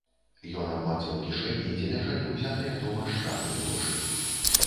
Ён абмацаў кішэні, дзе ляжалі ўзятыя дома з шафы грошы.